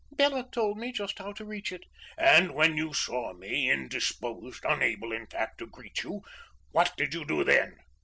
Bela told me just how to reach it." "And when you saw me indisposed unable, in fact, to greet you what did you do then?"